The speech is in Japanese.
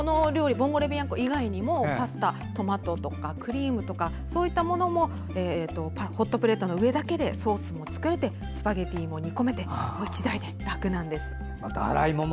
ボンゴレビアンコ以外にもパスタトマトとかクリームとかもホットプレートの上だけでソースも作れてスパゲッティも煮込めて１台で楽なんです。